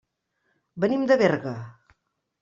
Venim de Berga.